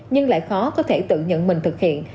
nhưng lại khó có thể tự nhận mình thực hiện